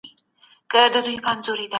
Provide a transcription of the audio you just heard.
ايا تاسي خپله تګلاره بدلوئ؟